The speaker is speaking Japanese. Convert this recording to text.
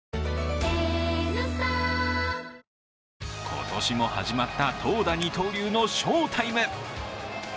今年も始まった投打二刀流の翔タイム。